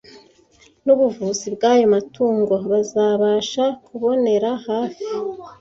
n’ubuvuzi bwayo matungo bazabasha kubonera hafi